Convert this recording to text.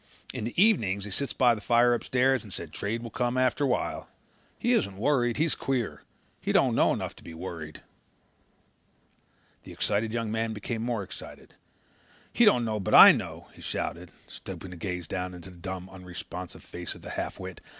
In the evenings he sits by the fire upstairs and says trade will come after a while. He isn't worried. He's queer. He doesn't know enough to be worried." The excited young man became more excited. "He don't know but I know," he shouted, stopping to gaze down into the dumb, unresponsive face of the half wit.